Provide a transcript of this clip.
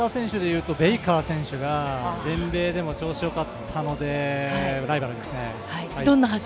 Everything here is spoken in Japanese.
多田選手というと、ベイカー選手が全米でも調子よかったのでライバルですね。